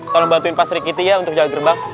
tolong bantuin pak sri kiti ya untuk jauh gerbang